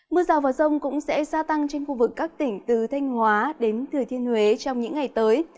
mưa rào và rông cũng sẽ gia tăng trên khu vực các tỉnh từ thanh hóa đến thừa thiên huế trong những ngày tới